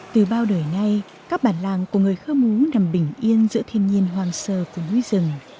từ bao đời nay các bản làng của người khơ mú nằm bình yên giữa thiên nhiên hoang sơ của núi rừng